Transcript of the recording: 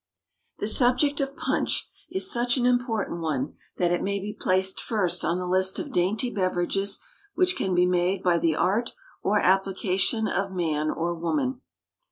The subject of PUNCH is such an important one that it may be placed first on the list of dainty beverages which can be made by the art or application of man or woman.